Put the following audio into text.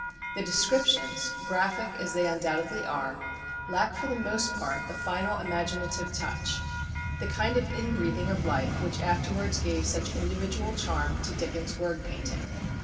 The descriptions, graphic as they undoubtedly are, lack for the most part the final imaginative touch; the kind of inbreathing of life which afterwards gave such individual charm to Dickens' word painting.